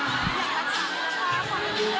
เราก็รู้สึกว่าดีใจด้วยเขาอยากรักษาด้วยค่ะความเป็นเพื่อนค่ะ